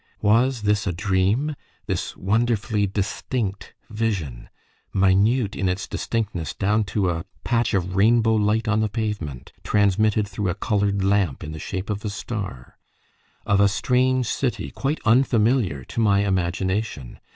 Was this a dream this wonderfully distinct vision minute in its distinctness down to a patch of rainbow light on the pavement, transmitted through a coloured lamp in the shape of a star of a strange city, quite unfamiliar to my imagination?